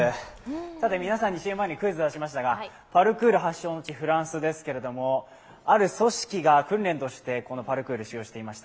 さて、皆さんにＣＭ前にクイズを出しましたが、パルクール発祥の地のフランスですけども、ある組織が訓練として、このパルクールを使用していました。